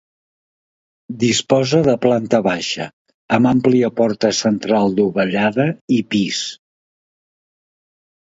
Disposa de planta baixa, amb àmplia porta central dovellada i pis.